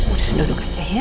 udah duduk aja ya